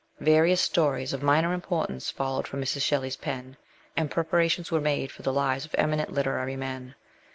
Various stories of minor importance followed from Mrs. Shelley's pen,' and preparations were made for the lives of eminent literary men.